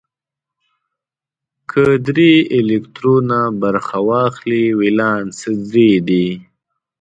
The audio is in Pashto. که درې الکترونه برخه واخلي ولانس درې دی.